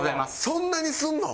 そんなにするの？